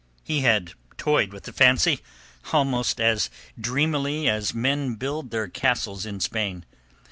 He had toyed with the fancy, dreamily almost as men build their castles in Spain.